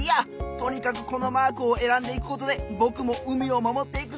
とにかくこのマークをえらんでいくことでぼくも海をまもっていくぞ！